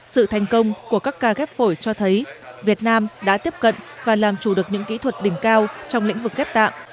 sự thành công của các ca ghép phổi cho thấy việt nam đã tiếp cận và làm chủ được những kỹ thuật đỉnh cao trong lĩnh vực ghép tạng